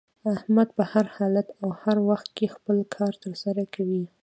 احمد په هر حالت او هر وخت کې خپل کار تر سره کوي.